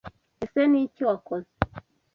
ese Niki wakoze?